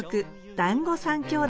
「だんご３兄弟」